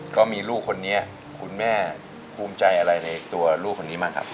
ก็มีลูกคนนี้คุณแม่ธรรมใจในลูกคนนี้มั้งครับ